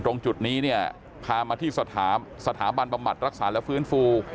ดูอีกทีหนึ่งตรงจุดนี้เนี่ยพามาที่สถาบันบัมมัติรักษาและฟื้นฟู